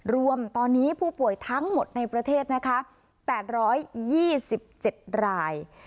รวมตอนนี้ผู้ป่วยทั้งหมดในประเทศนะคะแปดร้อยยี่สิบเจ็ดราย